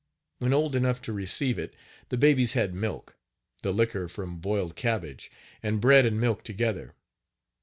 When old enough to receive it, the babies had milk, the liquor from boiled cabbage, and bread and milk together.